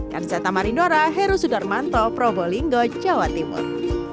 karyzata marin dora heru sudarmanto probolinggo jawa timur